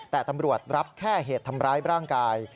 แต่ตำรวจรับแค่เหตุทำร้ายร่างกาย